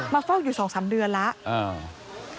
เฝ้าอยู่๒๓เดือนแล้ว